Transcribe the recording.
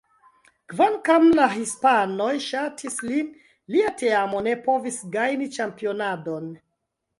Kvankam la hispanoj ŝatis lin, lia teamo ne povis gajni ĉampionadon.